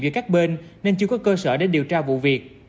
giữa các bên nên chưa có cơ sở để điều tra vụ việc